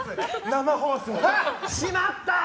しまったー！